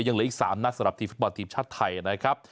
ยังเหลืออีก๓นัดสำหรับทีมฟุตบอลทีมชาติไทยนะครับ